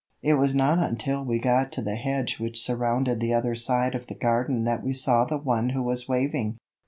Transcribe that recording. It was not until we got to the hedge which surrounded the other side of the garden that we saw the one who was waving.